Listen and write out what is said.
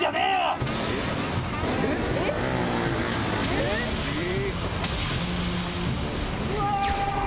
えっ⁉うわ！